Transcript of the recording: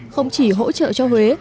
không chỉ hỗ trợ cho huế